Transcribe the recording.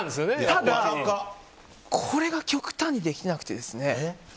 ただ、これが極端にできなくて。